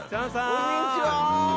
こんにちは。